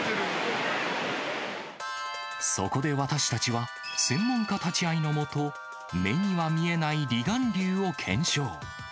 そこで私たちは、専門家立ち会いの下、目には見えない離岸流を検証。